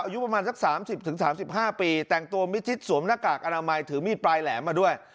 อายุประมาณสักสามสิบถึงสามสิบห้าปีแต่งตัวมิทิศสวมหน้ากากอนามัยถือมีดปลายแหลมมาด้วย